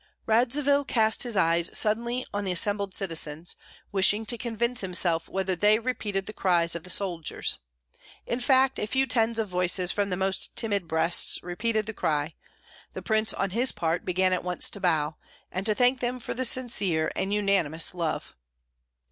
Radzivill cast his eyes suddenly on the assembled citizens, wishing to convince himself whether they repeated the cries of the soldiers. In fact a few tens of voices from the most timid breasts repeated the cry; the prince on his part began at once to bow, and to thank them for the sincere and "unanimous" love.